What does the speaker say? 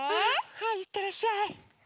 はいいってらっしゃい。